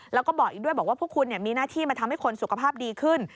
แล้วก็บอกอีกด้วยบอกว่าพวกคุณมีหน้าที่มาทำให้คนสุขภาพดีขึ้น